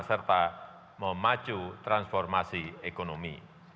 serta memacu transformasi ekonomi